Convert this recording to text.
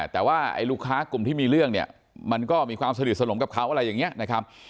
แต่ว่าไอ้ลูกค้ากลุ่มที่มีเรื่องเนี่ยมันก็มีความสนิทสนมกับเขาอะไรอย่างนี้นะครับ